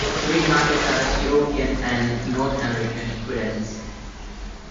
Street markets are the European and North American equivalents.